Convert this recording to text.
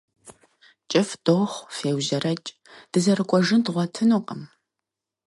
КӀыфӀ дохъу, феужьрэкӏ, дызэрыкӏуэжын дгъуэтынукъым.